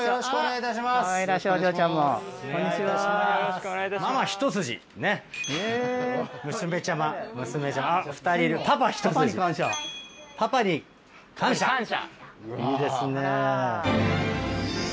いいですね。